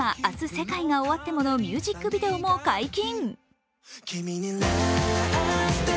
世界が終わっても−」のミュージックビデオも解禁。